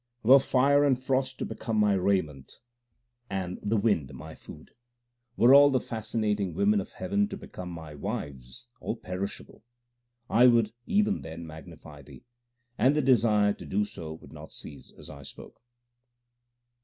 Were fire and frost to become my raiment, and the wind my food ; Were all the fascinating women of heaven to become my wives all perishable 2 I would even then magnify Thee, and the desire to do so would not cease as I spoke.